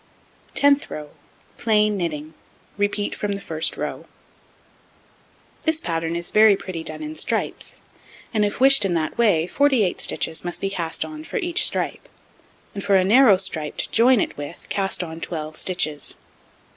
Tenth row: Plain knitting. Repeat from the first row. This pattern is very pretty done in stripes; and if wished in that way, 48 stitches must be cast on for each stripe; and for a narrow stripe to join it with cast on 12 stitches.